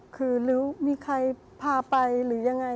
คือหรือมีใครพาไปหรือยังไง